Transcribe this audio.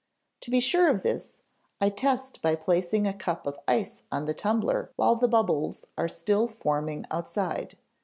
To be sure of this, I test by placing a cup of ice on the tumbler while the bubbles are still forming outside.